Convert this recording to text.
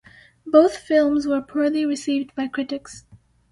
Both films were poorly received by critics.